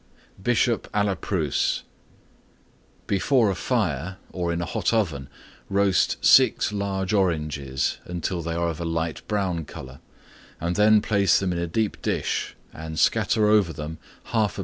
BISHOP A LA PRUSSE Before a Fire or in a Hot Oven roast 6 large Oranges until they are of a light brown color, and then place them in a deep dish and scatter over them 1/2 lb.